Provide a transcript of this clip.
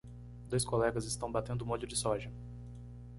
Dois colegas estão batendo molho de soja